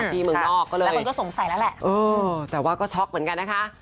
ที่เมืองนอกก็เลยแต่ว่าก็ช็อกเหมือนกันนะคะ